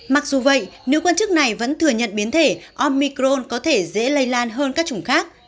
mặc dù vậy nếu quan chức này vẫn thừa nhận biến thể omicron có thể dễ lây lan hơn các chủng khác